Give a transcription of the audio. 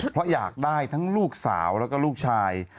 เพราะอยากได้ทั้งลูกสาวแล้วก็ลูกชาย